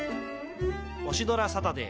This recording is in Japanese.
オシドラサタデー